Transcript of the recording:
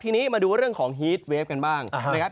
ทีนี้มาดูเรื่องของฮีตเวฟกันบ้างนะครับ